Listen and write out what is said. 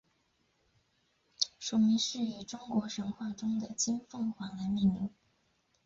属名是以中国神话中的金凤凰来命名。